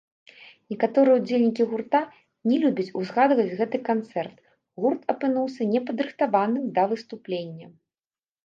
Некаторыя ўдзельнікі гурта не любяць узгадваць гэты канцэрт, гурт апынуўся не падрыхтаваным да выступлення.